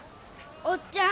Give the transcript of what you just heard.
「おっちゃん。